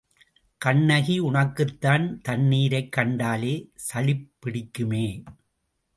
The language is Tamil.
கண்ணகி, உனக்குத்தான் தண்ணீரைக் கண்டாலே சளிப் பிடிக்குமே!